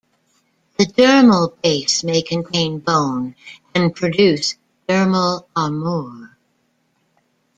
The dermal base may contain bone and produce dermal armour.